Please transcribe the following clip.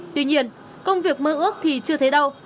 tuy nhiên công việc mơ ước thì chưa thấy đâu